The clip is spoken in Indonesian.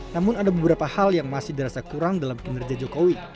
namun ada beberapa hal yang masih dirasa kurang dalam kinerja jokowi